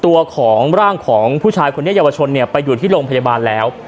ตัวของร่างของผู้ชายคนนี้เยาวชนเนี่ยไปอยู่ที่โรงพยาบาลแล้ว